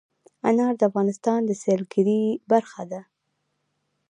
انار د افغانستان د سیلګرۍ برخه ده.